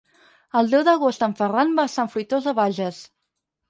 El deu d'agost en Ferran va a Sant Fruitós de Bages.